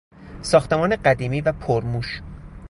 ساختمان قدیمی و پرموش